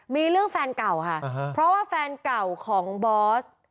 มีเรื่องแฟนเก่าค่ะเพราะว่าแฟนเก่าของบอส